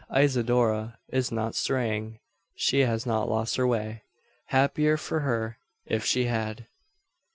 Isidora is not straying. She has not lost her way. Happier for her, if she had.